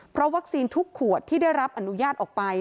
เพราะวัคซีนทุกขวดที่ได้รับอนุญาตออกไป